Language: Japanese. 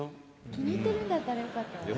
気に入ってるんだったらよかったわね。